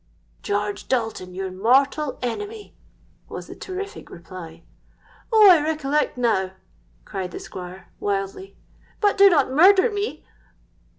'—'George Dalton, your mortal enemy,' was the terrific reply.—'Oh! I recollect now,' cried the Squire, wildly. 'But do not murder me!'